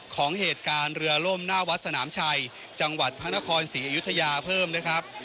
ของเหตุการณ์เรือล่มหน้าวัดสนามชัยจังหวัดพระนครศรีอยุธยาเพิ่มนะครับ